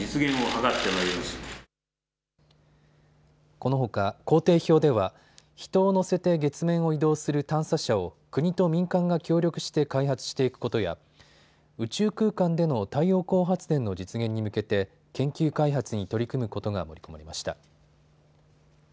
このほか工程表では人を乗せて月面を移動する探査車を国と民間が協力して開発していくことや宇宙空間での太陽光発電の実現に向けて、研究開発に取り組むことが盛り込まれました。